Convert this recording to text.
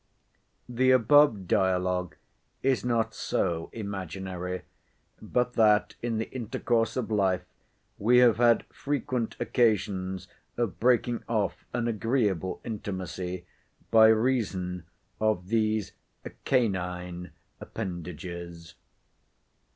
The above dialogue is not so imaginary, but that, in the intercourse of life, we have had frequent occasions of breaking off an agreeable intimacy by reason of these canine appendages.